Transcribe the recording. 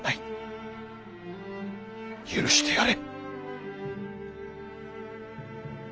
許してやれ。